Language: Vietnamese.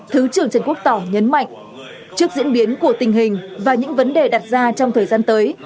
thứ trưởng trần quốc tỏ nhấn mạnh trước diễn biến của tình hình và những vấn đề đặt ra trong thời gian tới